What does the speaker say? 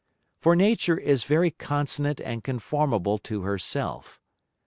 For Nature is very consonant and conformable to her self.